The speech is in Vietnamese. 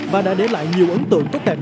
và đã để lại nhiều ấn tượng tốt đẹp